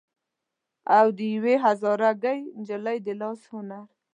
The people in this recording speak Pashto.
او د يوې هزاره ګۍ نجلۍ د لاس هنر